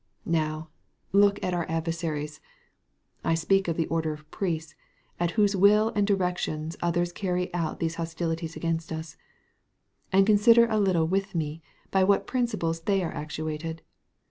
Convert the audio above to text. Now, look at our adversaries, (I speak of the order of priests, at whose will and directions others carry on these hostilities against us,) and consider a little with me by what principles they are actuated.